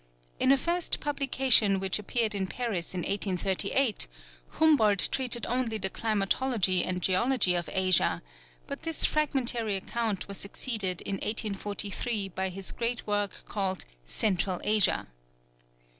In a first publication which appeared in Paris in 1838, Humboldt treated only the climatology and geology of Asia, but this fragmentary account was succeeded in 1843 by his great work called "Central Asia."